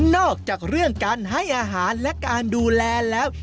อกจากเรื่องการให้อาหารและการดูแลแล้ว